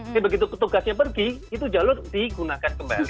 jadi begitu tugasnya pergi itu jalur digunakan kembali